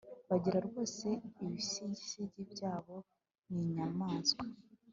bagira rwose Ibisigisigi byabo ni inyamaswa